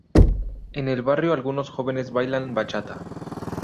En el barrio algunos jóvenes bailan bachata.